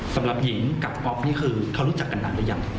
สำหรับหญิงกับป๊อปนี่คือเขารู้จักกันนานหรือยัง